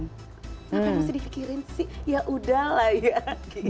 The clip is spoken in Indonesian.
gak harus di pikirin sih ya udahlah ya gitu